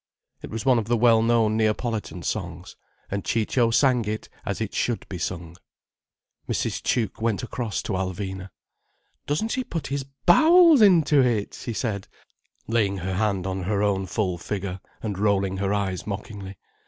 It was one of the well known Neapolitan songs, and Ciccio sang it as it should be sung. Mrs. Tuke went across to Alvina. "Doesn't he put his bowels into it—?" she said, laying her hand on her own full figure, and rolling her eyes mockingly.